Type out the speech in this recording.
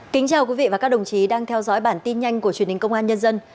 kính chào quý vị và các đồng chí đang theo dõi bản tin nhanh của truyền hình công an nhân dân